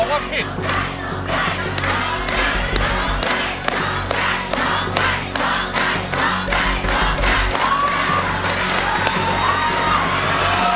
พ่อไก่พ่อไก่พ่อไก่พ่อไก่พ่อไก่